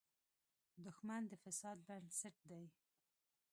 دښمن د فساد بنسټ دی